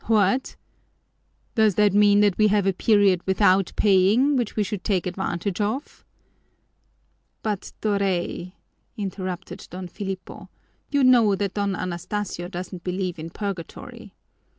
"What! Does that mean that we have a period without paying, which we should take advantage of?" "But, Doray," interrupted Don Filipo, "you know that Don Anastasio doesn't believe in purgatory."